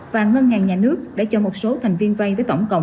và ngân hàng nhà nước đã cho một số thành viên vay với tổng cộng